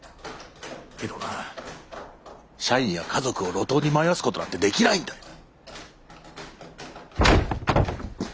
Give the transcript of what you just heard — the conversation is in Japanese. けどな社員や家族を路頭に迷わすことなんてできないんだよ。